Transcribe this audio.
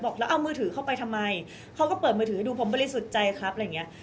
แล้วเอามือถือเข้าไปทำไมเขาก็เปิดมือถือให้ดูผมบริสุทธิ์ใจครับอะไรอย่างเงี้ย